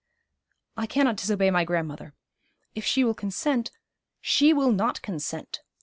'I cannot disobey my grandmother. If she will consent ' 'She will not consent.